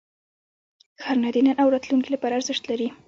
ښارونه د نن او راتلونکي لپاره ارزښت لري.